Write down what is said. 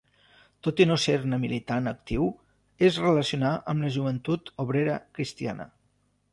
Tot i no ser-ne militant actiu, es relacionà amb la Joventut Obrera Cristiana.